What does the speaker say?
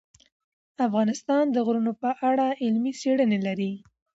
افغانستان د غرونه په اړه علمي څېړنې لري.